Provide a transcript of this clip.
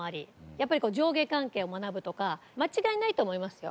やっぱり上下関係を学ぶとか間違いないと思いますよ。